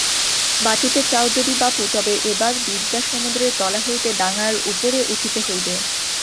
বাঁচিতে চাও যদি বাপু, তবে এবার বিদ্যা-সমুদ্রের তলা হইতে ডাঙার উপরে উঠিতে হইবে।